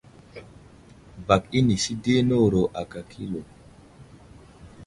Bak inisi di newuro aka kilo.